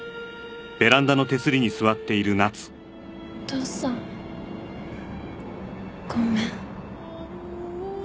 お父さんごめん。